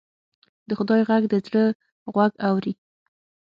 د خدای غږ د زړه غوږ اوري